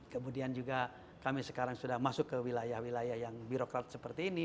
kemudian juga kami sekarang sudah masuk ke wilayah wilayah yang birokrat seperti ini